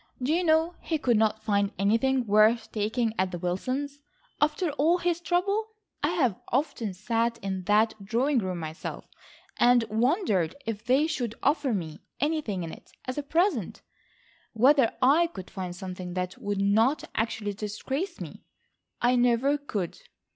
Do you know he could not find anything worth taking at the Wilsons',—after all his trouble. I have often sat in that drawing room myself, and wondered if they should offer me anything in it as a present, whether I could find something that would not actually disgrace me. I never could.